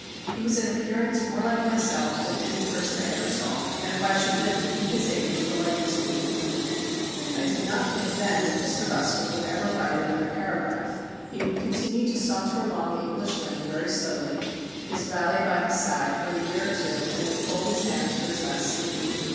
He was in appearance more like myself than any person I ever saw, and if I should live to be his age the likeness will be complete. I did not think then that Mr. Ruskin would ever write another paragraph. He would continue to saunter along the English lane very slowly, his valet by his side, for a year or two, and then fold his hands for his last sleep.